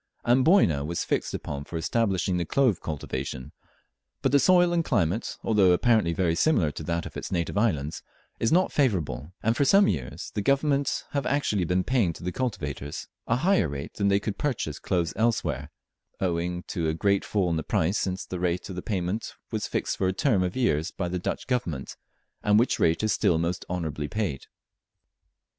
Amboyna was fixed upon for establishing the clove cultivation; but the soil and climate, although apparently very similar to that of its native islands, is not favourable, and for some years the Government have actually been paying to the cultivators a higher rate than they could purchase cloves elsewhere, owing to a great fall in the price since the rate of payment was fixed for a term of years by the Dutch Government, and which rate is still most honourably paid.